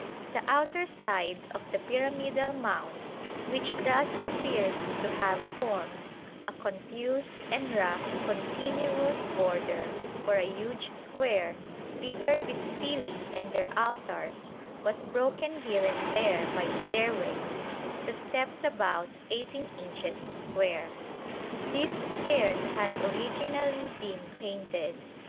The outer side of the pyramidal mound, which thus appears to have formed a confused and rough continuous border for a huge square, littered with stelae and their altars, was broken here and there by stairways, the steps about 18 inches square. These stairs had originally been painted.